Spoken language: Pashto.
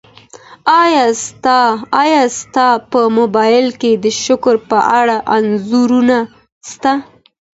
ایا ستا په موبایل کي د شکر په اړه انځورونه سته؟